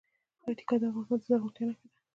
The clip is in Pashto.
پکتیکا د افغانستان د زرغونتیا نښه ده.